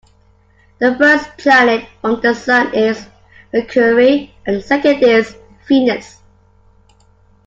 The first planet from the sun is Mercury, and the second is Venus